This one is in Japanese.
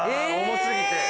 重過ぎて。